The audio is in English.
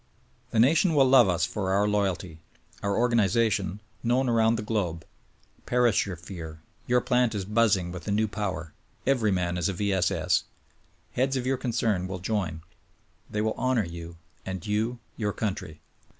The nation will love us for our loyalty; our organization, known around the globe. Perish your fear; your plant is buzzing with the new power; every man is a V. S, S. ! Heads of your concern will join; they will honor you; and you — your country.